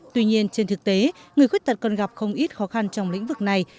tuy nhiên trên thực tế người khuyết tật còn gặp không ít khó khăn trong lĩnh vực này